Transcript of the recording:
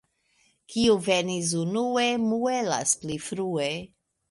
Kiu venis unue, muelas pli frue.